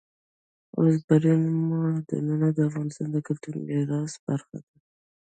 اوبزین معدنونه د افغانستان د کلتوري میراث برخه ده.